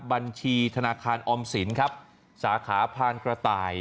บัญชีธนาคารออมสินครับสาขาพานกระต่าย